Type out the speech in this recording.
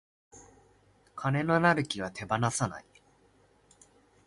金のなる木は手放さない